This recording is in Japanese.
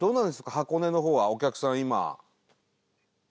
箱根の方はお客さん今」